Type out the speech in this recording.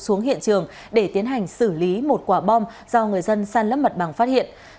xuống hiện trường để tiến hành xử lý một quả bom do người dân san lấp mặt bằng phát hiện